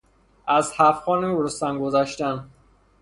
از هفت خوان رستم گذشتن